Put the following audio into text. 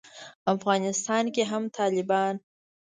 افغانستان کې هم طالبان